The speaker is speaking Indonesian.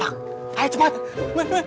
mas jangan lakukan mas